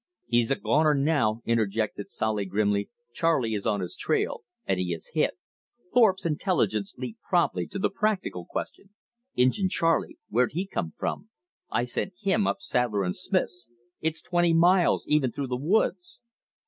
"He's a gone er now," interjected Solly grimly. "Charley is on his trail and he is hit." Thorpe's intelligence leaped promptly to the practical question. "Injin Charley, where'd he come from? I sent him up Sadler & Smith's. It's twenty miles, even through the woods."